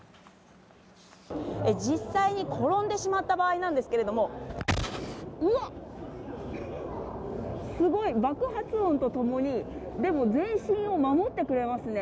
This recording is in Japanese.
実際に転んでしまった場合なんですけれども、うわっ、すごい、爆発音とともに、でも、全身を守ってくれますね。